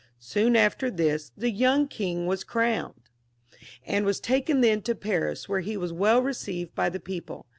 Soon after this the young king was crowned, and was then taken to Paris, where he was well received by the people.